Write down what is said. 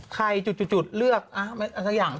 ใครจุดเลือกสักอย่าง